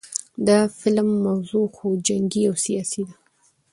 د فلم موضوع خو جنګي او سياسي ده